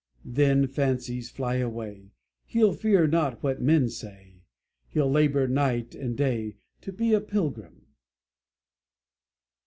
Then, fancies fly away, He'll fear not what men say; He'll labor night and day To be a pilgrim."